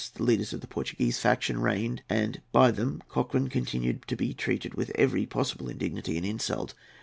The leaders of the Portuguese faction reigned, and by them Lord Cochrane continued to be treated with every possible indignity and insult.